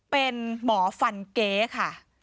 เป็นหมอฟันเก๊ค่ะ